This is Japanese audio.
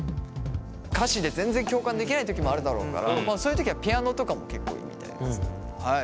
歌詞で全然共感できない時もあるだろうからそういう時はピアノとかも結構いいみたいです。